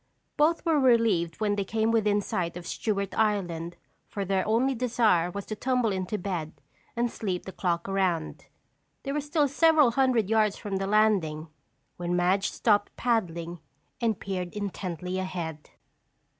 Both were relieved when they came within sight of Stewart Island for their only desire was to tumble into bed and sleep the clock around. They were still several hundred yards from the landing when Madge stopped paddling and peered intently ahead.